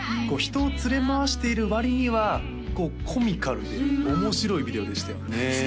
こう人を連れ回している割にはこうコミカルで面白いビデオでしたよね